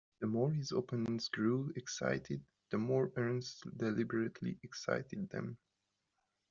The more his opponents grew excited, the more Ernest deliberately excited them.